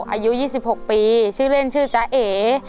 อายุ๒๖ปีชื่อเล่นชื่อจ๊ะเอ